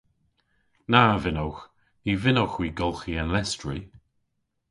Na vynnowgh. Ny vynnowgh hwi golghi an lestri.